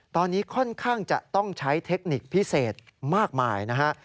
ตอนนี้ค่อนข้างจะต้องใช้เทคนิคพิเศษมากมายนะฮะ